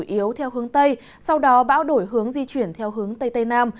bão di chuyển chủ yếu theo hướng tây sau đó bão đổi hướng di chuyển theo hướng tây tây nam